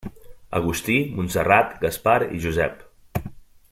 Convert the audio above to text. Agustí, Montserrat, Gaspar i Josep.